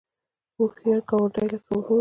هوښیار ګاونډی لکه ورور